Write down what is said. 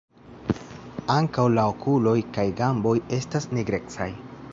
Ankaŭ la okuloj kaj gamboj estas nigrecaj.